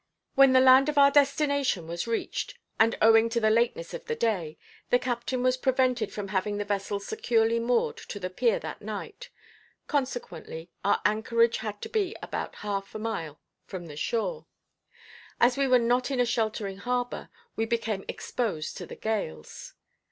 When the land of our destination was reached, and owing to the lateness of the day, the captain was prevented from having the vessel securely moored to the pier that night, consequently our anchorage had to be about half a mile from the shore. As we were not in a sheltering harbor, we became exposed to the gales.